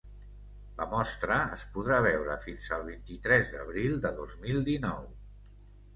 La mostra es podrà veure fins al vint-i-tres d’abril de dos mil dinou.